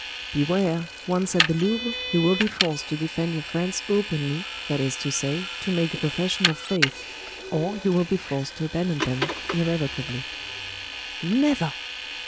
"Beware! once at the Louvre, you will be forced to defend your friends openly, that is to say, to make a profession of faith; or you will be forced to abandon them irrevocably." "Never!"